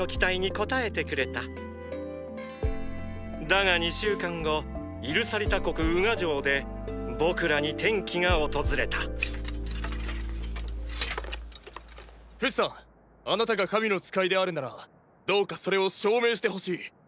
だが２週間後イルサリタ国ウガ城でーー僕らに転機が訪れたフシさんあなたが神の使いであるならどうかそれを証明してほしい。